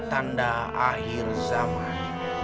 yang bern catch